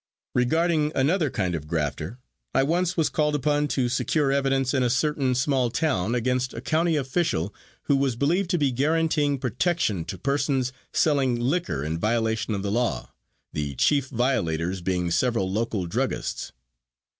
Regarding another kind of grafter, I once was called upon to secure evidence in a certain small town against a county official who was believed to be guaranteeing protection to persons selling liquor in violation of the law, the chief violators being several local druggists.